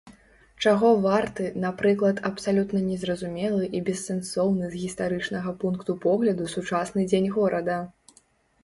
Чаго варты, напрыклад, абсалютна незразумелы і бессэнсоўны з гістарычнага пункту погляду сучасны дзень горада.